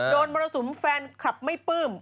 มรสุมแฟนคลับไม่ปลื้ม